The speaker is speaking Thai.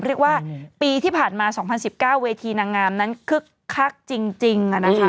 เรียกว่าปีที่ผ่านมา๒๐๑๙เวทีนางงามนั้นคึกคักจริง